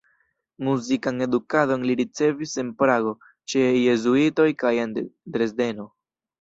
Muzikan edukadon li ricevis en Prago ĉe jezuitoj kaj en Dresdeno.